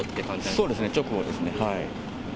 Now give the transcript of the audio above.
そうですね、直後ですね。